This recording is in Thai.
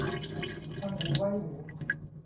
ฟังหูไว้หู